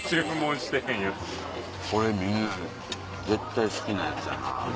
これみんな絶対好きなやつやな。